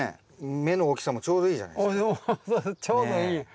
目の大きさもちょうどいいじゃないですか。